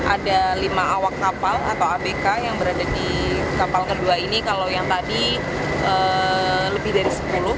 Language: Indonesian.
ada lima awak kapal atau abk yang berada di kapal kedua ini kalau yang tadi lebih dari sepuluh